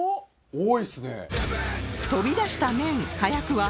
多いですね。